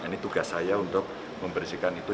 ini tugas saya untuk membersihkan itu